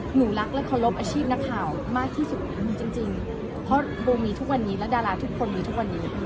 หนูรักและเคารพอาชีพนักข่าวมากที่สุดจริงเพราะโบมีทุกวันนี้และดาราทุกคนมีทุกวันนี้